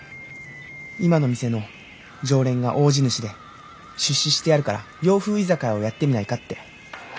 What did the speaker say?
今の店の常連が大地主で出資してやるから洋風居酒屋をやってみないかって。